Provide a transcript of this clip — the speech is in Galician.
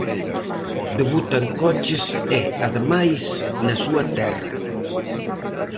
Debuta en coches e, ademais, na súa terra.